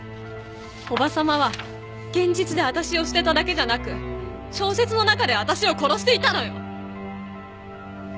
叔母様は現実で私を捨てただけじゃなく小説の中で私を殺していたのよ。